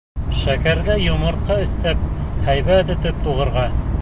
Шәкәргә йомортҡа өҫтәп, һәйбәт итеп туғырға.